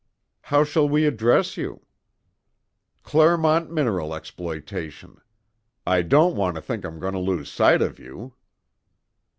"How shall we address you?" "Clermont Mineral Exploitation. I don't want to think I'm going to lose sight of you."